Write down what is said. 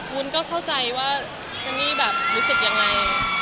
วุ้นก็เข้าใจว่าเจนนี่แบบรู้สึกยังไง